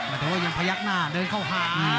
โอ้โธยังพยักหน้าเดินเข้าหา